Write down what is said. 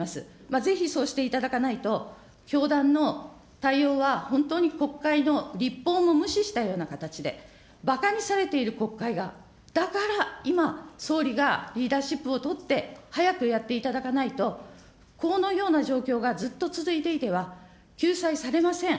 ぜひそうしていただかないと、教団の対応は本当に国会の立法も無視したような形で、ばかにされている国会が、だから今、総理がリーダーシップをとって、早くやっていただかないと、このような状況がずっと続いていては救済されません。